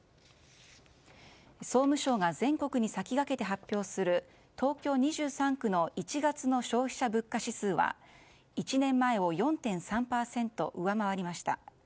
総務省が全国に先駆けて発表する東京２３区の１月の消費者物価指数は１年前を４．３％上回りました。